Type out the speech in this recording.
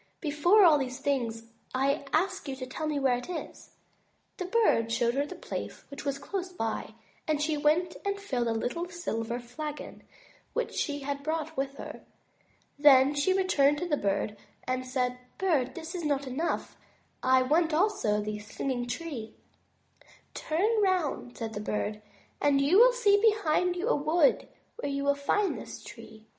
Before all things, I ask you to tell me where it is." The Bird showed her the place which was close by, and she went and filled a little silver flagon which she had brought with her. Then she returned to the Bird and said: "Bird, this is not enough, I want also the Singing Tree." "Turn round," said the Bird," and you will see behind you a wood where you will find this tree."